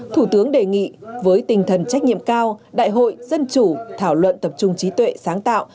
thủ tướng đề nghị với tinh thần trách nhiệm cao đại hội dân chủ thảo luận tập trung trí tuệ sáng tạo